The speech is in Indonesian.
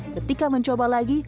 ketika mencoba lagi